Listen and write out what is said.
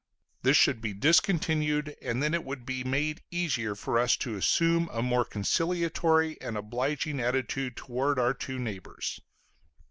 This should be discontinued; and then it would be made easier for us to assume a more conciliatory and obliging attitude toward our two neighbors.